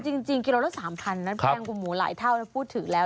เออจริงกิโลหนึ่ง๓๐๐๐บาทแพงกว่าหมูหลายเท่านั้นพูดถึงแล้ว